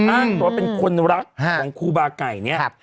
อ้างตัวเป็นคนรักของครูบาไก่เนี่ย